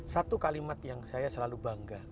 satu kalimat yang saya selalu bangga